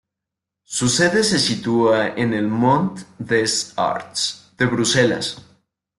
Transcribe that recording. Su sede se sitúa en el "Mont des Arts" de Bruselas.